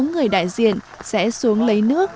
một số người đại diện sẽ xuống lấy nước